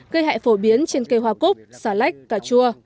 gây hại phổ biến trên cây hoa cúc xà lách cà chua